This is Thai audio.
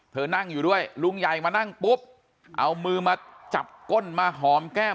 นั่งอยู่ด้วยลุงใหญ่มานั่งปุ๊บเอามือมาจับก้นมาหอมแก้ม